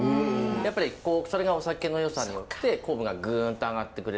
やっぱりそれがお酒のよさによって昆布がぐんと上がってくれる。